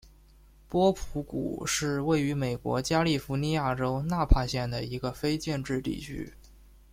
波普谷是位于美国加利福尼亚州纳帕县的一个非建制地区。